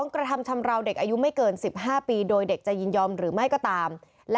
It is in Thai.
กระทำชำราวเด็กอายุไม่เกิน๑๕ปีโดยเด็กจะยินยอมหรือไม่ก็ตาม